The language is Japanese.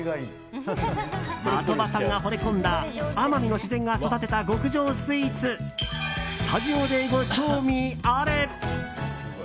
的場さんがほれ込んだ奄美の自然が育てた極上スイーツスタジオでご賞味あれ。